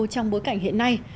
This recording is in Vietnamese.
trong bối cảnh hiện nay